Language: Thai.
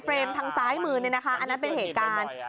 ทางซ้ายมือเนี่ยนะคะอันนั้นเป็นเหตุการณ์